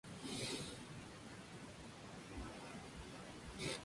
Allí interpreta al licenciado Mariano Silverstein, psicólogo judío, junto a Luis Luque.